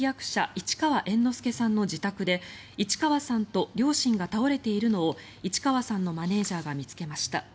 市川猿之助さんの自宅で市川さんと両親が倒れているのを市川さんのマネジャーが見つけました。